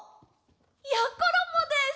やころもです！